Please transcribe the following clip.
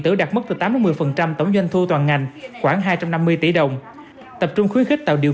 tử đạt mức từ tám một mươi tổng doanh thu toàn ngành khoảng hai trăm năm mươi tỷ đồng tập trung khuyến khích tạo điều